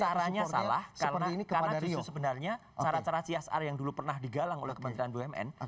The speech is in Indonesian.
caranya salah karena justru sebenarnya cara cara csr yang dulu pernah digalang oleh kementerian bumn